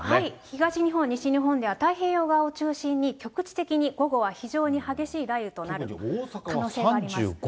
東日本、西日本では太平洋側を中心に、局地的に午後は非常に激しい雷雨となる可能性があります。